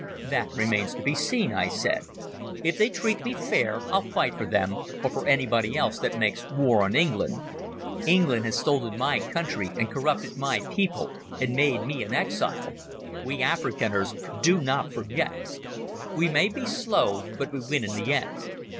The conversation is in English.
"That remains to be seen," I said. "If they treat me fair I'll fight for them, or for anybody else that makes war on England. England has stolen my country and corrupted my people and made me an exile. We Afrikanders do not forget. We may be slow but we win in the end.